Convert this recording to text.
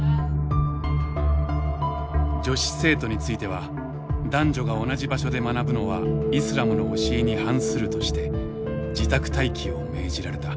女子生徒については「男女が同じ場所で学ぶのはイスラムの教えに反する」として自宅待機を命じられた。